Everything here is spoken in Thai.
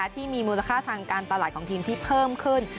ที่มีมูลค่าทางการตลาดของทีมที่เพิ่มขึ้น